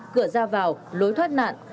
cửa ra vào lối thoát nạn